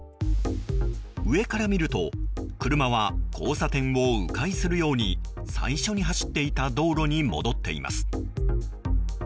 上から見ると車は、交差点を迂回するように最初に走っていた道路に戻っています。